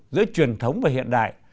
giữa truyền thống và hiện đại